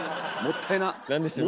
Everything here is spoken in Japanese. もったいな！